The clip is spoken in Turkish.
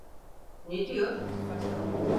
Ne diyor?